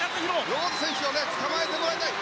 ローズ選手をつかまえてもらいたい。